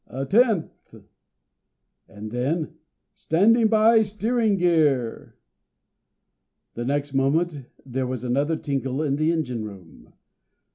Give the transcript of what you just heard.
"A tenth." And then "Stand by steering gear." The next moment there was another tinkle in the engine room.